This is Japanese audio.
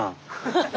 ハハハッ！